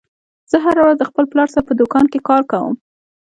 زه هره ورځ د خپل پلار سره په دوکان کې کار کوم